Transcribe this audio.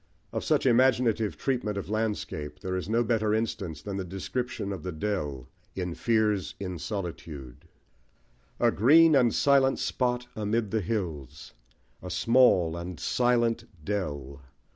Of such imaginative treatment of landscape there is no better instance than the description of The Dell, in Fears in Solitude A green and silent spot amid the hills, A small and silent dell!